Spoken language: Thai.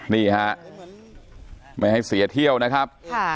นี่ฮะไม่ให้เสียเที่ยวนะครับ